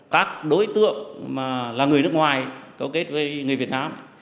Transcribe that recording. các đối tượng mà là người nước ngoài cầu kết với người việt nam